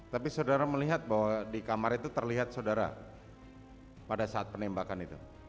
tapi saudara melihat bahwa di kamar itu terlihat saudara pada saat penembakan itu